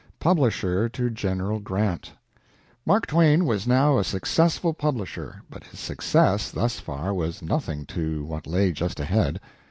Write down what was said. PUBLISHER TO GENERAL GRANT Mark Twain was now a successful publisher, but his success thus far was nothing to what lay just ahead.